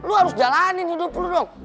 lo harus jalanin hidup dulu dong